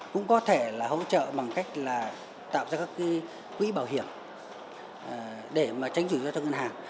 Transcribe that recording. cũng có thể là hỗ trợ bằng cách là tạo ra các quỹ bảo hiểm để mà tránh rủi ro cho ngân hàng